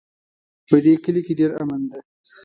په دې کلي کې ډېر امن ده